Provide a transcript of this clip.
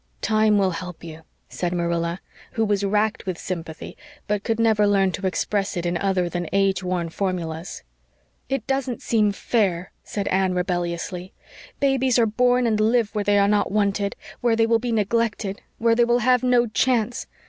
"Time will help you," said Marilla, who was racked with sympathy but could never learn to express it in other than age worn formulas. "It doesn't seem FAIR," said Anne rebelliously. "Babies are born and live where they are not wanted where they will be neglected where they will have no chance.